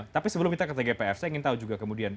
tapi sebelum kita ke tgpf saya ingin tahu juga kemudian